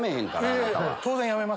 当然やめます。